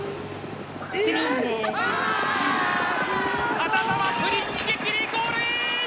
花澤プリン逃げ切りゴールイン！